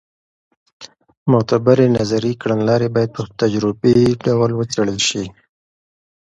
معتبرې نظري کړنلارې باید په تجربي ډول وڅېړل سي.